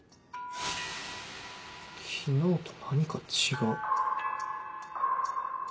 昨日と何か違う。